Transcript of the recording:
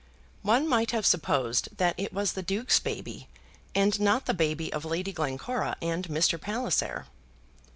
One might have supposed that it was the Duke's baby, and not the baby of Lady Glencora and Mr. Palliser.